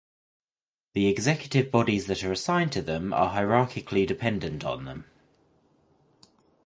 The executive bodies that are assigned to them are hierarchically dependent on them.